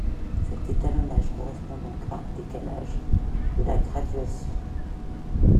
Cet étalonnage correspond donc à un décalage de la graduation.